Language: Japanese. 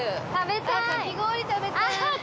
食べたい！